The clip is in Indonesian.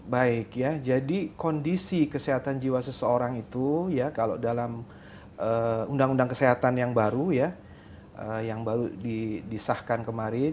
baik ya jadi kondisi kesehatan jiwa seseorang itu ya kalau dalam undang undang kesehatan yang baru ya yang baru disahkan kemarin